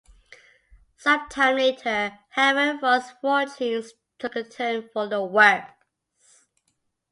Some time later, however, Roy's fortunes took a turn for the worse.